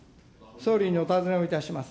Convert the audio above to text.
総理にお尋ねをいたします。